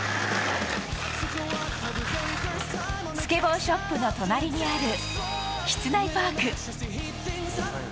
スケボーショップの隣にある室内パーク。